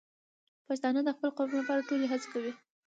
پښتانه د خپل قوم لپاره ټولې هڅې کوي.